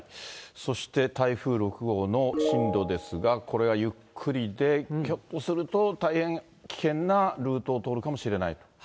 そして台風６号の進路ですが、これはゆっくりで、ひょっとすると大変危険なルートを通るかもしれない。